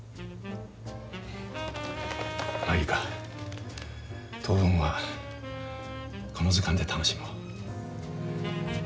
まあいいか当分はこの図鑑で楽しもう。